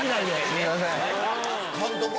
すいません。